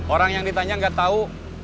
orang yang ditanya gak tau